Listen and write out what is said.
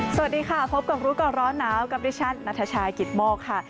สวัสดีค่ะพบกับรู้ก่อนร้อนหนาวกับดิฉันนัทชายกิตโมกค่ะ